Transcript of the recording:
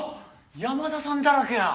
山田さんだらけや。